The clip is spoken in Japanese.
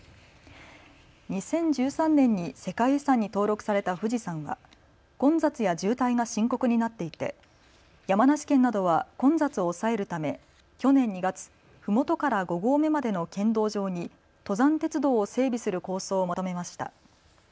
２０１３年に世界遺産に登録された富士山は混雑や渋滞が深刻になっていて山梨県などは混雑を抑えるため去年２月、ふもとから５合目までの県道上に登山鉄道を整備する構想をまとめました。